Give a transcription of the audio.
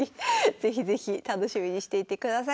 是非是非楽しみにしていてください。